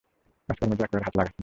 কাজকর্মে যে একেবারে হাত লাগাস নাই।